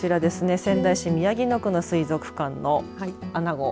仙台市宮城野区の水族館のアナゴ。